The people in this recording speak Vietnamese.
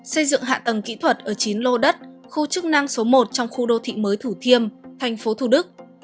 xây dựng hạ tầng kỹ thuật ở chín lô đất khu chức năng số một trong khu đô thị mới thủ thiêm tp thu đức